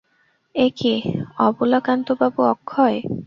এ কী, অবলাকান্তবাবু– অক্ষয়।